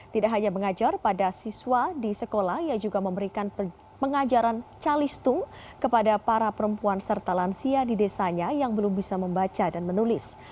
tidak hanya mengajar pada siswa di sekolah ia juga memberikan pengajaran calistung kepada para perempuan serta lansia di desanya yang belum bisa membaca dan menulis